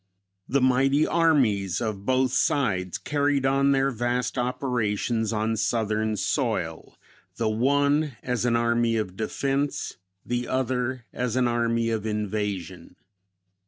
The mighty armies of both sides carried on their vast operations on southern soil; the one as an army of defense, the other as an army of invasion.